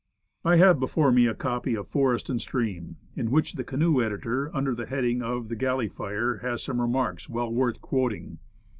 I have before me a copy of Forest and Stream, in which the canoe editor, under the heading of "The Galley Fire," has some remarks well worth quoting.